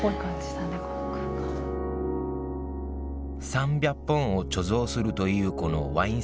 ３００本を貯蔵するというこのワインセラー。